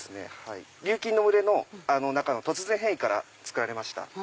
琉金の群れの中の突然変異からつくられました。